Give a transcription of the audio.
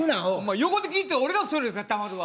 横で聞いて俺がストレスがたまるわ！